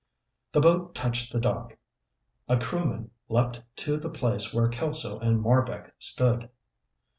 The boat touched the dock. A crewman leaped to the place where Kelso and Marbek stood.